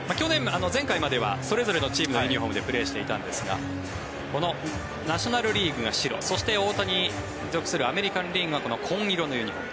前回まではそれぞれのチームのユニホームでプレーしていたんですがこのナショナル・リーグが白そして、大谷属するアメリカン・リーグは紺色のユニホーム。